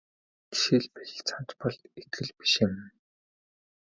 Жишээлбэл цамц бол итгэл биш юм.